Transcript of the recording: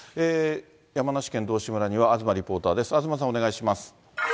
山梨県道志村には東リポーターです。